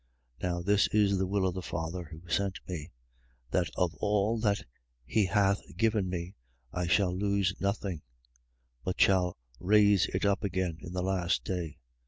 6:39. Now this is the will of the Father who sent me: that of all that he hath given me, I should lose nothing; but should raise it up again in the last day.